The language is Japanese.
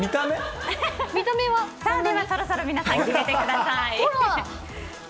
では、そろそろ皆さん、決めてください。